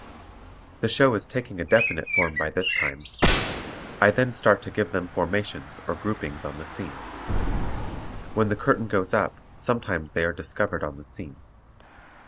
The show is taking a definite form by this time. I then start to give them formations or groupings on the scene. When the curtain goes up sometimes they are discovered on the scene.